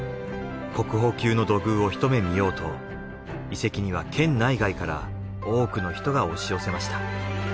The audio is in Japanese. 国宝級の土偶を一目見ようと遺跡には県内外から多くの人が押し寄せました。